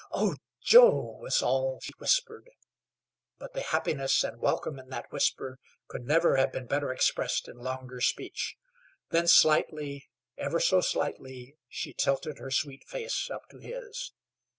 "Oh, Joe," was all she whispered. But the happiness and welcome in that whisper could never have been better expressed in longer speech. Then slightly, ever so slightly, she tilted her sweet face up to his.